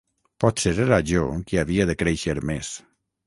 Potser era jo qui havia de créixer més.